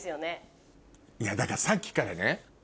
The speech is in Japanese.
だからさっきからね